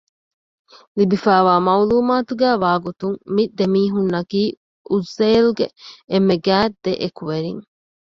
ލިބިފައިވާ މަޢުލޫމާތުގައި ވާގޮތުން މި ދެމީހުންނަކީ އުޒޭލްގެ އެންމެ ގާތް ދެއެކުވެރިން